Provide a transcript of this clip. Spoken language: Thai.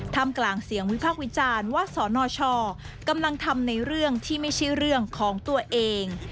ทำกลางเสียงวิพากษ์วิจารณ์ว่าสนชกำลังทำในเรื่องที่ไม่ใช่เรื่องของตัวเอง